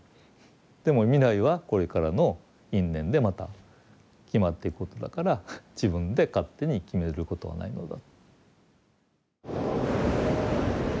でも未来はこれからの因縁でまた決まっていくことだから自分で勝手に決めることはないのだ。